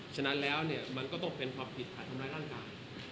ฉะนั้นแล้วเนี่ยมันก็ต้องเป็นความผิดฐานทำร้ายร่างกาย